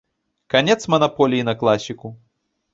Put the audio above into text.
Канец манаполіі на класіку?